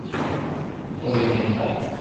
اورنی تھال۔